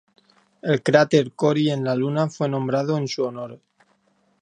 El cráter Cori en la Luna fue nombrado en su honor.